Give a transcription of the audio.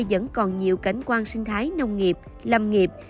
vẫn còn nhiều cảnh quan sinh thái nông nghiệp lâm nghiệp